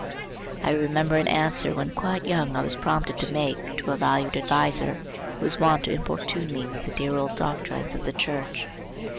I remember an answer which when quite young I was prompted to make to a valued adviser who was wont to importune me with the dear old doctrines of the church.